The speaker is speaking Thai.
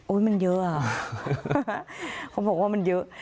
มันเยอะอ่ะเขาบอกว่ามันเยอะ